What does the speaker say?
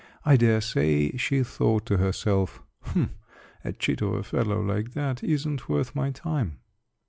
I dare say she thought to herself, "Humph! A chit of a fellow like that isn't worth my time."